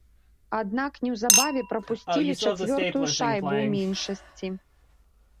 Аднак неўзабаве прапусцілі чацвёртую шайбу ў меншасці.